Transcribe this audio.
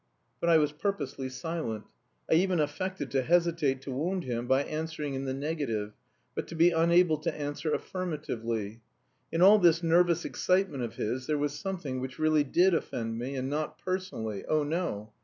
But I was purposely silent. I even affected to hesitate to wound him by answering in the negative, but to be unable to answer affirmatively. In all this nervous excitement of his there was something which really did offend me, and not personally, oh, no!